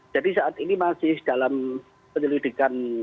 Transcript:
jadi saat ini masih dalam penyelidikan